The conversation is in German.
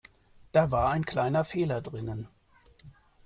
Da war ein kleiner Fehler drinnen.